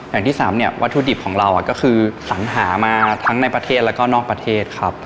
อย่างที่สามเนี่ยวัตถุดิบของเราก็คือสัญหามาทั้งในประเทศแล้วก็นอกประเทศครับ